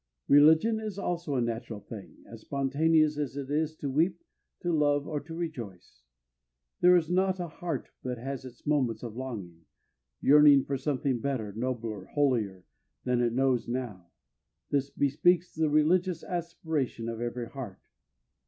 Religion is also a natural thing—as spontaneous as it is to weep, to love, or to rejoice. There is not a heart but has its moments of longing—yearning for something better, nobler, holier, than it knows now; this bespeaks the religious aspiration of every heart.